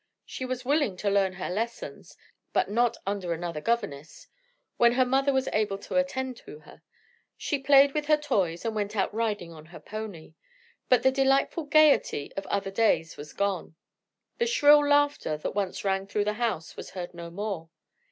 She was willing to learn her lessons (but not under another governess) when her mother was able to attend to her: she played with her toys, and went out riding on her pony. But the delightful gayety of other days was gone; the shrill laughter that once rang through the house was heard no more.